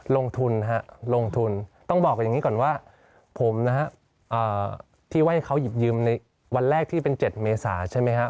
ลงทุนฮะลงทุนต้องบอกอย่างนี้ก่อนว่าผมนะฮะที่ว่าให้เขาหยิบยืมในวันแรกที่เป็น๗เมษาใช่ไหมครับ